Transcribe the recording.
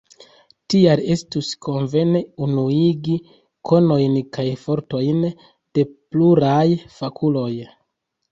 Tial estus konvene unuigi konojn kaj fortojn de pluraj fakuloj.